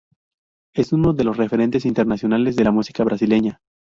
Es uno de los referentes internacionales de la música brasileña.